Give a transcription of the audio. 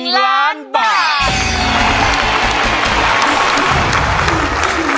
๑ล้านบาท